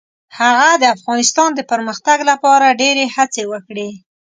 هغه د افغانستان د پرمختګ لپاره ډیرې هڅې وکړې.